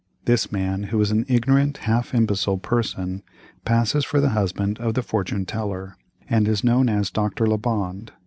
This man, who is an ignorant, half imbecile person, passes for the husband of the fortune teller, and is known as Doctor Lebond.